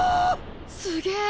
すげえ！